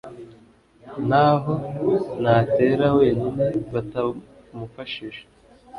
Na ho natera wenyine batamufashije,